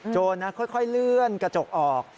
ค่อยเลื่อนกระจกออก